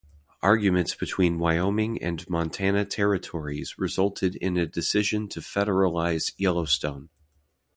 Arguments between Wyoming and Montana territories resulted in a decision to federalize Yellowstone.